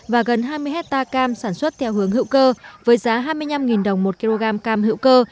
và gần hai mươi hecta cam sản xuất theo hướng hiệu cơ với giá hai mươi năm đồng một kg cam hiệu cơ